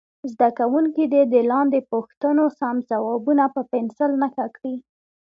زده کوونکي دې د لاندې پوښتنو سم ځوابونه په پنسل نښه کړي.